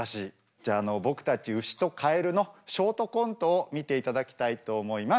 じゃああの僕たちうしとカエルのショートコントを見ていただきたいと思います。